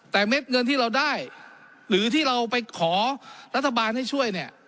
แต่เม็ดเงินที่เราได้หรือที่เราไปขอรัฐบาลให้ช่วยเนี่ย